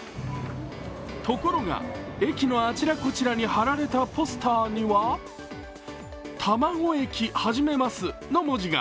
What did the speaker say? ところが、駅のあちらこちらに貼られたポスターには玉子駅、はじめますの文字が。